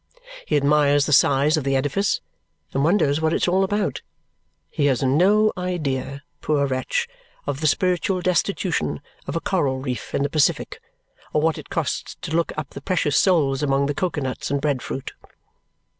He admires the size of the edifice and wonders what it's all about. He has no idea, poor wretch, of the spiritual destitution of a coral reef in the Pacific or what it costs to look up the precious souls among the coco nuts and bread fruit.